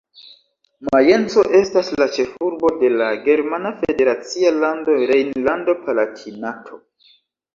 Majenco estas la ĉefurbo de la germana federacia lando Rejnlando-Palatinato-